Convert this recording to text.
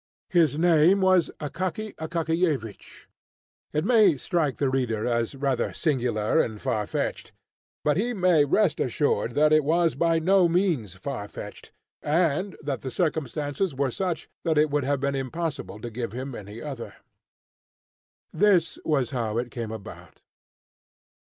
His name was Akaky Akakiyevich. It may strike the reader as rather singular and far fetched; but he may rest assured that it was by no means far fetched, and that the circumstances were such that it would have been impossible to give him any other. This was how it came about.